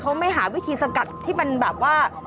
เขาไม่หาวิธีสกัดที่มันแบบว่า